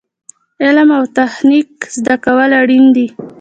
علم او تخنیک زده کول اړین دي